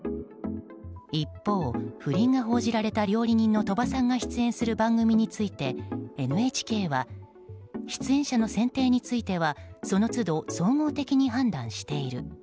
一方、不倫が報じられた料理人の鳥羽さんが出演する番組について、ＮＨＫは出演者の選定についてはその都度、総合的に判断している。